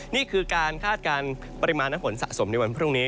นี่คือการคาดการณ์ปริมาณน้ำฝนสะสมในวันพรุ่งนี้